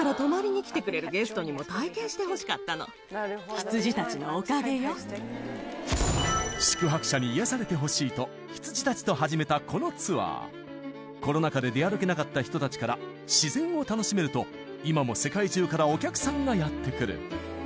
実はこちらのおうちで宿泊者に癒やされてほしいと羊たちと始めたこのツアーコロナ禍で出歩けなかった人たちから自然を楽しめると今も世界中からお客さんがやって来る